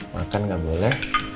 makan gak boleh